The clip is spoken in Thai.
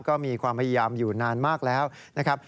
ก็มีความพยายามอยู่นานมากแล้วนะครับ